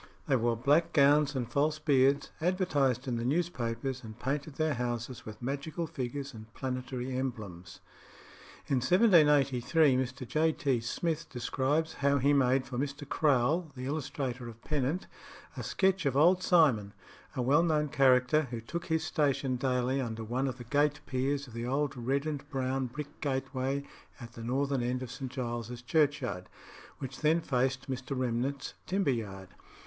They wore black gowns and false beards, advertised in the newspapers, and painted their houses with magical figures and planetary emblems. In 1783 Mr. J. T. Smith describes how he made for Mr. Crowle, the illustrator of Pennant, a sketch of Old Simon, a well known character, who took his station daily under one of the gate piers of the old red and brown brick gateway at the northern end of St. Giles's Churchyard, which then faced Mr. Remnent's timber yard.